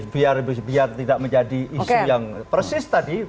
biar tidak menjadi isu yang persis tadi